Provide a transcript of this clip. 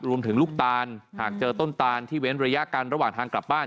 ลูกตานหากเจอต้นตานที่เว้นระยะกันระหว่างทางกลับบ้าน